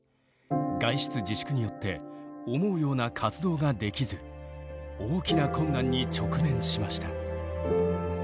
外出自粛によって思うような活動ができず大きな困難に直面しました。